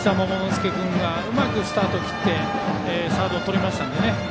介君がうまくスタートを切ってサード、取りましたので。